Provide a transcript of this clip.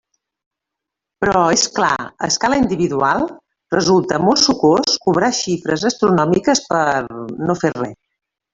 Però, és clar, a escala individual, resulta molt sucós cobrar xifres astronòmiques per... no fer res.